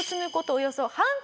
およそ半年。